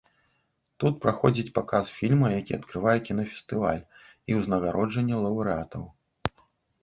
Тут праходзіць паказ фільма, які адкрывае кінафестываль, і ўзнагароджанне лаўрэатаў.